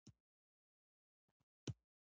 د کورتۍ لمن مې کښته خوا راکښوله.